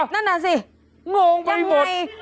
นั่นนะสิยังไงงงไปหมด